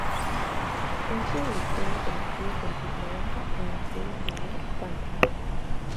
Es sobre todo conocido por su trabajo en la serie Final Fantasy.